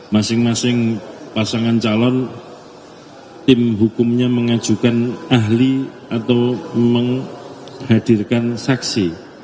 masing masing pasangan calon tim hukumnya mengajukan ahli atau menghadirkan saksi